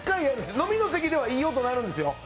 飲みの席ではいい音鳴るんですよ。